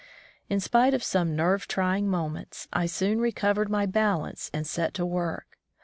In spite of some nerve trying moments, I soon recovered my balance and set to work.